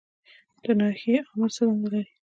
د ناحیې آمر څه دنده لري؟